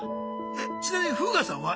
えちなみにフーガさんは？